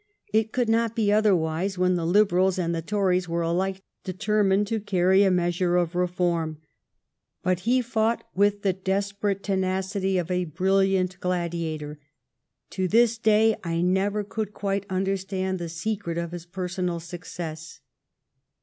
It could not be otherwise when the Lib erals and the Tories were alike determined to Robert Lowe carry a measure of reform. But he fought with the desperate tenacity of a brilliant gladiator. To this day I never could quite understand the secret of his personal success.